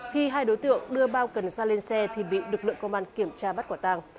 khi hai đối tượng đưa bao cần sa lên xe thì bị lực lượng công an kiểm tra bắt quả tàng